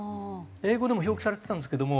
英語でも表記されてたんですけども。